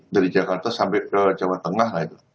dari jakarta sampai ke jawa tengah